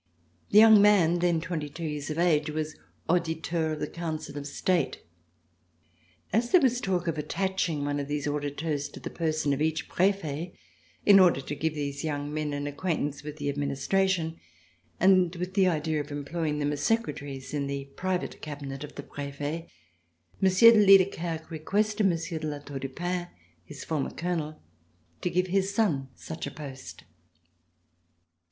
The young man, then twenty two years of age, was C349] RECOLLECTIONS OF THE REVOLUTION auditeur of the Council of State. As there was talk of attaching one of these auditeurs to the person of each prefet, in order to give these young men an acquaintance with the administration, and with the idea of employing them as secretaries in the private cabinet of the prefet, Monsieur de Liedekerke re quested Monsieur de La Tour du Pin, his former Colonel, to give his son such a post.